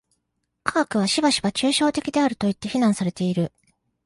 科学はしばしば抽象的であるといって非難されている。